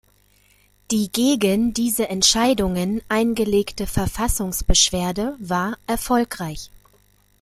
Die gegen diese Entscheidungen eingelegte Verfassungsbeschwerde war erfolgreich.